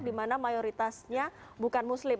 di mana mayoritasnya bukan muslim